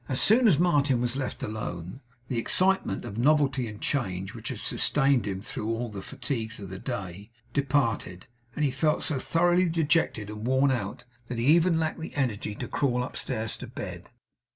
As soon as Martin was left alone, the excitement of novelty and change which had sustained him through all the fatigues of the day, departed; and he felt so thoroughly dejected and worn out, that he even lacked the energy to crawl upstairs to bed.